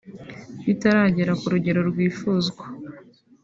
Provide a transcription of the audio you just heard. bitaragera ku rugero rwifuzwa